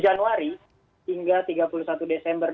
satu januari hingga tiga puluh satu desember dua ribu dua puluh